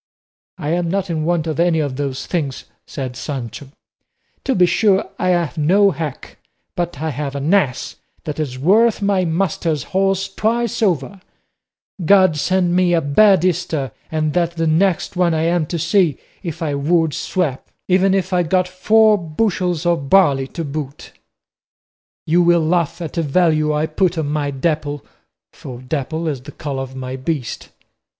"I am not in want of any of those things," said Sancho; "to be sure I have no hack, but I have an ass that is worth my master's horse twice over; God send me a bad Easter, and that the next one I am to see, if I would swap, even if I got four bushels of barley to boot. You will laugh at the value I put on my Dapple for dapple is the colour of my beast.